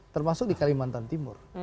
termasuk di kalimantan timur